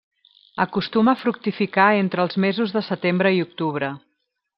Acostuma a fructificar entre els mesos de setembre i octubre.